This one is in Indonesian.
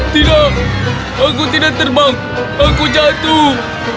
tidak aku tidak terbang aku jatuh